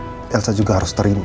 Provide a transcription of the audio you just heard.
aku rasa elsa juga harus terima